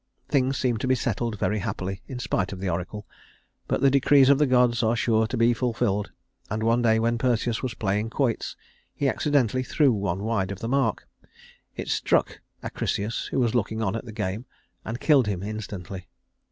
Things seemed to be settled very happily in spite of the oracle; but the decrees of the gods are sure to be fulfilled, and one day when Perseus was playing quoits, he accidentally threw one wide of the mark. It struck Acrisius, who was looking on at the game, and killed him instantly.